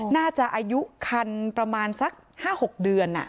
น่าจะอายุคันประมาณสัก๕๖เดือน